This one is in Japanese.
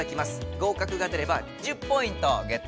合格が出れば１０ポイントゲットです。